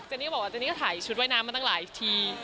นี่ก็บอกว่าเจนี่ก็ถ่ายชุดว่ายน้ำมาตั้งหลายที